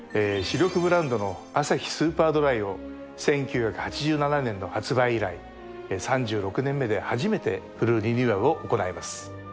主力ブランドのアサヒスーパードライを１９８７年の発売以来３６年目で初めてフルリニューアルを行います。